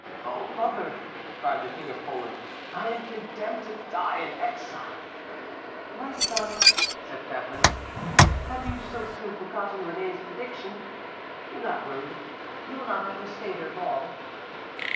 "Oh, mother," cried the King of Poland, "I am condemned to die in exile!" "My son," said Catharine, "have you so soon forgotten Réné's prediction? Do not worry, you will not have to stay there long."